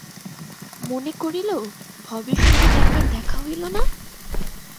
মনে করিল, ভবির সহিত একবার দেখা হইল না?